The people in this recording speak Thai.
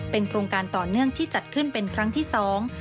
โครงการต่อเนื่องที่จัดขึ้นเป็นครั้งที่สอง